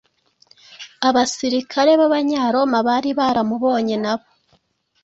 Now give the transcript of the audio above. abasirikare b’Abanyaroma bari baramubonye nabo.